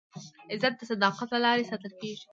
عزت د صداقت له لارې ساتل کېږي.